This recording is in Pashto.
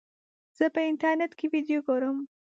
زه په انټرنیټ کې ویډیو ګورم.